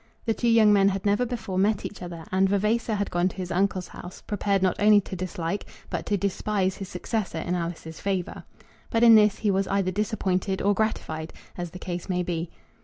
The two young men had never before met each other; and Vavasor had gone to his uncle's house, prepared not only to dislike but to despise his successor in Alice's favour. But in this he was either disappointed or gratified, as the case may be.